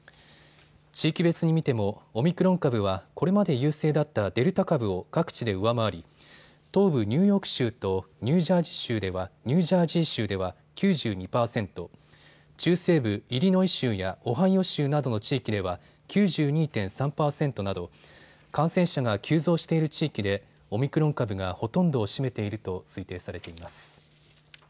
地域別に見てもオミクロン株はこれまで優勢だったデルタ株を各地で上回り東部ニューヨーク州とニュージャージー州では９２％、中西部イリノイ州やオハイオ州などの地域では９２．３％など感染者が急増している地域でオミクロン株がほとんどを占めていると推定されています。